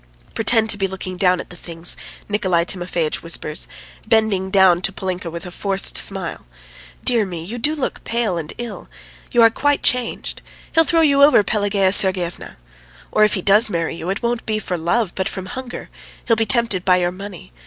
"Pretend to be looking at the things," Nikolay Timofeitch whispers, bending down to Polinka with a forced smile. "Dear me, you do look pale and ill; you are quite changed. He'll throw you over, Pelagea Sergeevna! Or if he does marry you, it won't be for love but from hunger; he'll be tempted by your money.